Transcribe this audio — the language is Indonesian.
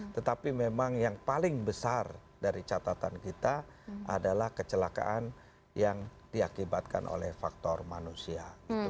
tetapi memang yang paling besar dari catatan kita adalah kecelakaan yang diakibatkan oleh faktor manusia